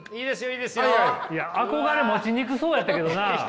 いや憧れ持ちにくそうやったけどな。